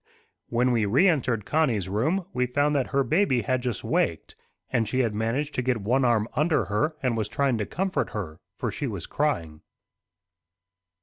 When we reentered Connie's room, we found that her baby had just waked, and she had managed to get one arm under her, and was trying to comfort her, for she was crying.